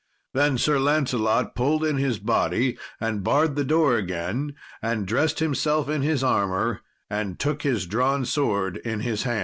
Then Sir Lancelot pulled in his body and barred the door again, and dressed himself in his armour, and took his drawn sword in his hand.